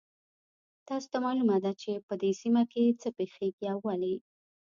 تاسو ته معلومه ده چې په دې سیمه کې څه پېښیږي او ولې